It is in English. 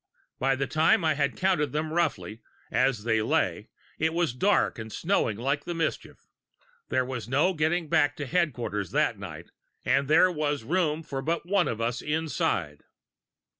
By the time I had counted them roughly, as they lay, it was dark, and snowing like the mischief. There was no getting back to head quarters that night, and there was room for but one of us inside."